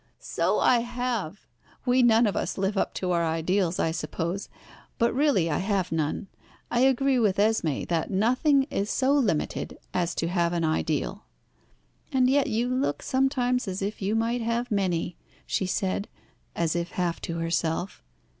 "So I have. We none of us live up to our ideals, I suppose. But really I have none. I agree with Esmé that nothing is so limited as to have an ideal." "And yet you look sometimes as if you might have many," she said, as if half to herself.